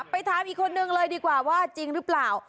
ไปถามอีกคนนึงเลยดีกว่าว่าจริงหรือเปล่า